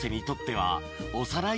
はい。